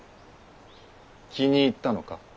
気に入ったのか？